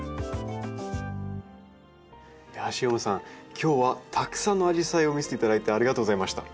今日はたくさんのアジサイを見せていただいてありがとうございました。